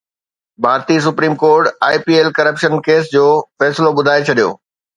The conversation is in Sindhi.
ڀارتي supreme court I P L corruption case جو فيصلو ٻڌائي ڇڏيو